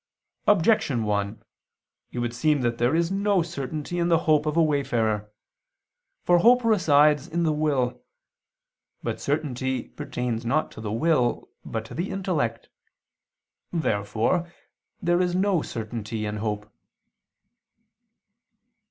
Objection 1: It would seem that there is no certainty in the hope of a wayfarer. For hope resides in the will. But certainty pertains not to the will but to the intellect. Therefore there is no certainty in hope.